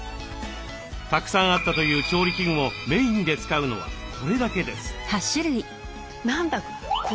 たくさんあったという調理器具もメインで使うのはこれだけです。